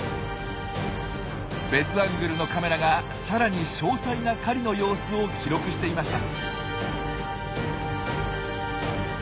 別アングルのカメラがさらに詳細な狩りの様子を記録していました。